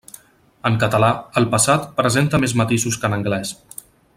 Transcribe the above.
En català, el passat presenta més matisos que en anglès.